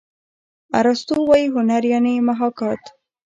ارستو وايي هنر یعني محاکات.